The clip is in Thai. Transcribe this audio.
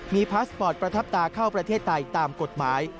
มีพาสปอร์ตประทับตาเข้าประเทศไทยตามกฎหมาย